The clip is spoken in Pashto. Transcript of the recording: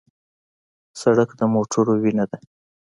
سړک د موټرو وینه ده.